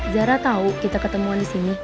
zara tau kita ketemuan disini